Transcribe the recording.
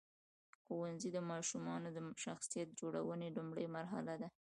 ښوونځی د ماشومانو د شخصیت جوړونې لومړۍ مرحله ده.